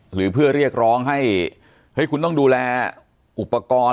หรือเพื่อเรียกร้องให้คุณต้องดูแลอุปกรณ์นะครับ